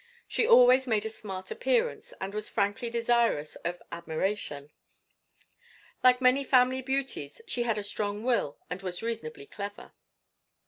She always made a smart appearance, and was frankly desirous of admiration. Like many family beauties, she had a strong will and was reasonably clever.